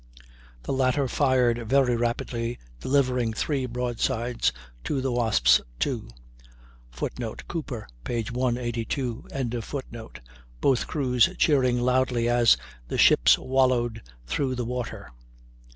The latter fired very rapidly, delivering three broadsides to the Wasp's two, [Footnote: Cooper, 182.] both crews cheering loudly as the ships wallowed through the water.